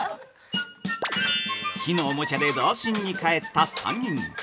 ◆木のおもちゃで童心に帰った三人。